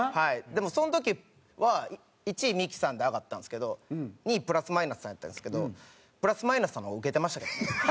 でもその時は１位ミキさんで上がったんですけど２位プラス・マイナスさんやったんですけどプラス・マイナスさんの方がウケてましたけどね。